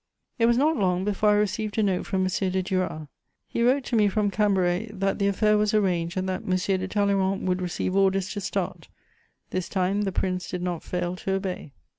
It was not long before I received a note from M. de Duras; he wrote to me from Cambrai that the affair was arranged and that M. de Talleyrand would receive orders to start: this time the prince did not fail to obey.